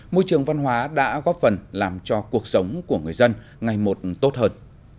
môi trường văn hóa đã góp phần làm cho cuộc sống của người dân ngày một tốt hơn